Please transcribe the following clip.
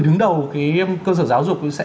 đứng đầu cái cơ sở giáo dục cũng sẽ